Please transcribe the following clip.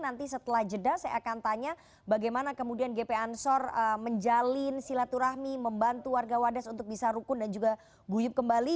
nanti setelah jeda saya akan tanya bagaimana kemudian gp ansor menjalin silaturahmi membantu warga wadas untuk bisa rukun dan juga guyup kembali